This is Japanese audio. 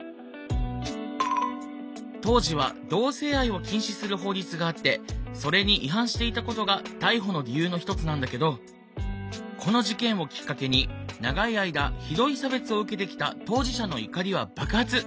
当時は同性愛を禁止する法律があってそれに違反していたことが逮捕の理由の一つなんだけどこの事件をきっかけに長い間ひどい差別を受けてきた当事者の怒りは爆発！